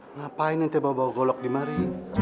ngapain nanti bawa bawa golok dimari